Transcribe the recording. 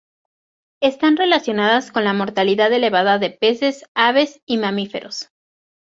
Están relacionadas con una mortalidad elevada de peces, aves y mamíferos.